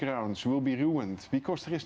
mengejar lebih banyak